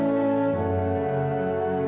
sampai jumpa dil